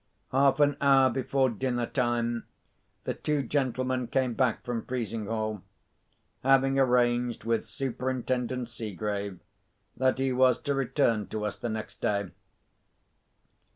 Half an hour before dinner time, the two gentlemen came back from Frizinghall, having arranged with Superintendent Seegrave that he was to return to us the next day.